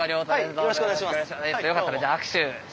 よろしくお願いします。